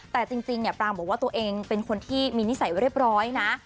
แต่จริงเนี่ยปรางบอกว่าตัวเองเป็นคนที่มีนิสัยเรียบร้อยนะ